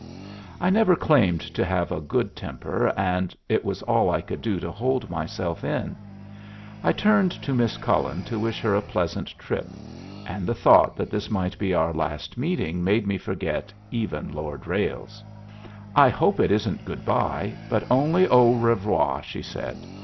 I never claimed to have a good temper, and it was all I could do to hold myself in. I turned to Miss Cullen to wish her a pleasant trip, and the thought that this might be our last meeting made me forget even Lord Ralles. "I hope it isn't good by, but only au revoir," she said.